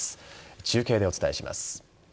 中継でお伝えします。